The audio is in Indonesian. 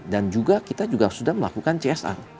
dan juga kita sudah melakukan csa